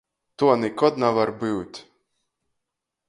Tuo nikod navar byut!